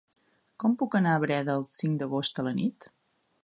Com puc anar a Breda el cinc d'agost a la nit?